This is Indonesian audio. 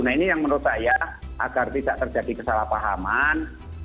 nah ini yang menurut saya agar tidak terjadi kesalahpahaman